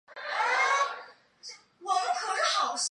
麦特尔峰是世界遗产蒂瓦希波乌纳穆地区的一部分。